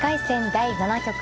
第７局。